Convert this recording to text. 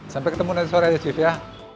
sampai ketemu nanti sore ya cief ya